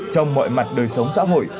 trong mọi mặt đời sống xã hội